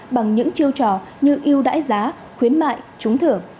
bằng những chiêu trò như yêu đãi giá khuyến mại trúng thưởng